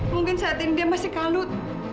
mungkin saat ini dia masih kalut